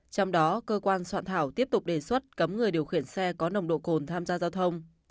trong đó cơ quan soạn thảo tiếp tục đề xuất cấm người điều khiển xe có nồng độ cồn tham gia giao thông